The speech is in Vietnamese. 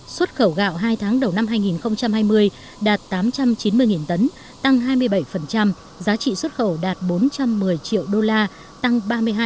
xuất khẩu gạo hai tháng đầu năm hai nghìn hai mươi đạt tám trăm chín mươi tấn tăng hai mươi bảy giá trị xuất khẩu đạt bốn trăm một mươi triệu đô la tăng ba mươi hai